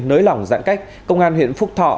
nới lỏng giãn cách công an huyện phúc thọ